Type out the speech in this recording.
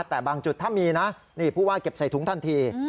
แต่บางจุดถ้ามีนะนี่ผู้ว่าเก็บใส่ถุงทันที